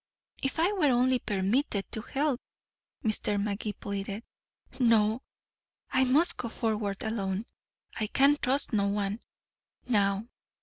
"If I were only permitted to help " Mr. Magee pleaded. "No I must go forward alone. I can trust no one, now.